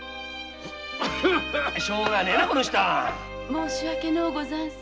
申し訳のうござんす。